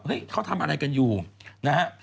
เฮ้ยเขาทำอะไรกันอยู่นะครับ